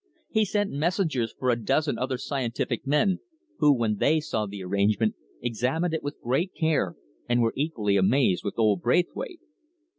He sent messengers for a dozen other scientific men, who, when they saw the arrangement, examined it with great care and were equally amazed with old Braithwaite.